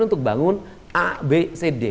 untuk bangun abcd